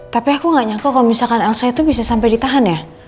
tapi aku gak nyangka kalo misalkan elsa itu bisa sampai ditahan ya